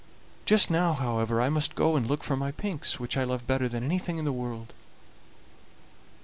Just now, however, I must go and look for my pinks, which I love better than anything in the world."